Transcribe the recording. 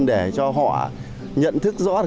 để cho họ nhận thức rõ tội lỗi